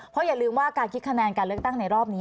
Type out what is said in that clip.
เพราะอย่าลืมว่าการคิดคะแนนการเลือกตั้งในรอบนี้